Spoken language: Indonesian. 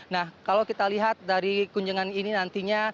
nah kalau kita lihat dari kunjungan ini nantinya